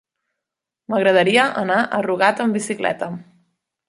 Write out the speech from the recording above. M'agradaria anar a Rugat amb bicicleta.